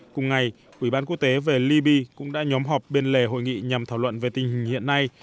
cùng ngày ủy ban quốc tế về libya cũng đã nhóm họp bên lề hội nghị nhằm thảo luận về tình hình hiện nay